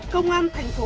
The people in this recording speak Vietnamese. công an tp hcm tổ chức